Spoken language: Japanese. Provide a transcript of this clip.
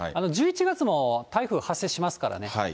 １１月も台風発生しますからね。